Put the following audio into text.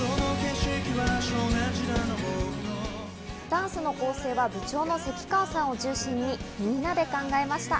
ダンスの構成は部長の関川さんを中心にみんなで考えました。